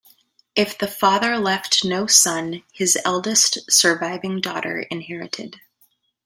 If the father left no son, his eldest surviving daughter inherited.